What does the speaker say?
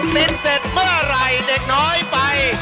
เซ็นเสร็จเมื่อไหร่เด็กน้อยไป